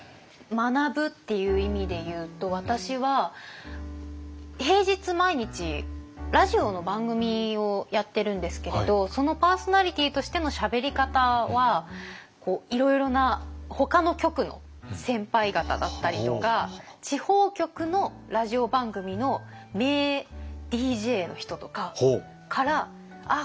学ぶっていう意味でいうと私は平日毎日ラジオの番組をやってるんですけれどそのパーソナリティーとしてのしゃべり方はいろいろなほかの局の先輩方だったりとか地方局のラジオ番組の名ＤＪの人とかからあ